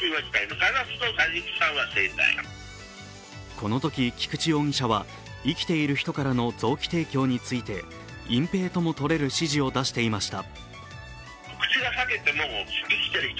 このとき菊池容疑者は生きている人からの臓器提供について隠蔽ともとれる指示を出していました。